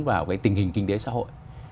vào tình hình kinh tế xã hội